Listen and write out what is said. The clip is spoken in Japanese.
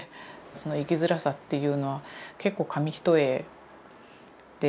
その生きづらさというのは結構紙一重で。